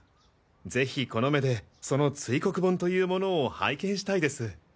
ぜひこの目でその堆黒盆というモノを拝見したいです！